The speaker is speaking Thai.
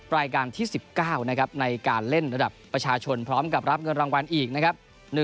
รายการที่๑๙นะครับในการเล่นระดับประชาชนพร้อมกับรับเงินรางวัลอีกนะครับ